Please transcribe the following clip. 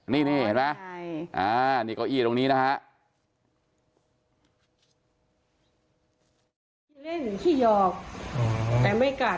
นี่เห็นไหมนี่เก้าอี้ตรงนี้นะฮะ